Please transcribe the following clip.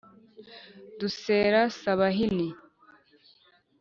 dusera sabahini